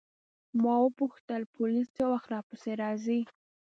ما وپوښتل پولیس څه وخت راپسې راځي.